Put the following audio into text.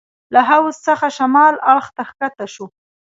له حوض څخه شمال اړخ کښته شوو.